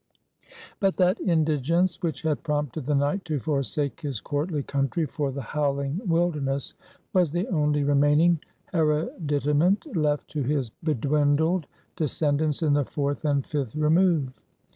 But that indigence which had prompted the knight to forsake his courtly country for the howling wilderness, was the only remaining hereditament left to his bedwindled descendants in the fourth and fifth remove.